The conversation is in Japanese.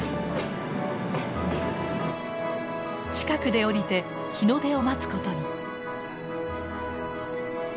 近くで降りて日の出を待つことに。